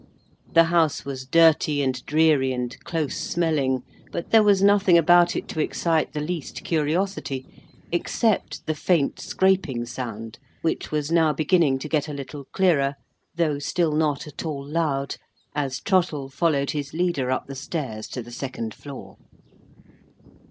The House was dirty and dreary and close smelling—but there was nothing about it to excite the least curiosity, except the faint scraping sound, which was now beginning to get a little clearer—though still not at all loud—as Trottle followed his leader up the stairs to the second floor.